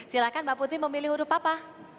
silahkan mbak putih memilih huruf apa